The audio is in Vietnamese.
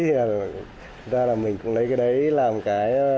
thế ra là mình cũng lấy cái đấy làm cái